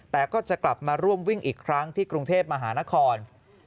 แต่ก็จะกลับมาร่วมวิ่งอีกครั้งที่กรุงเทพมหานคร